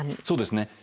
そうですね。